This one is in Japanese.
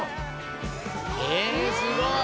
ええすごい。